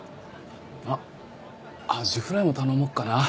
あっアジフライも頼もうかな。